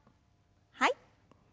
はい。